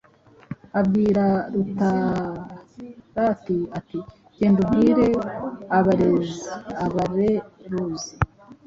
Abwira Rutarati ati Genda ubwire abareruzi